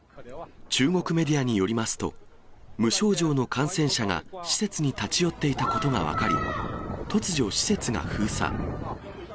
中国メディアによりますと、無症状の感染者が施設に立ち寄っていたことが分かり、突如、施設が封鎖。